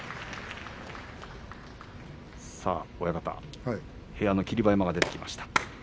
親方、部屋の霧馬山が出てきました。